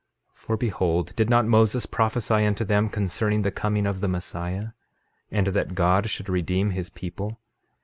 13:33 For behold, did not Moses prophesy unto them concerning the coming of the Messiah, and that God should redeem his people?